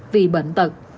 vì bệnh tật